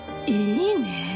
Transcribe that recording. いいね！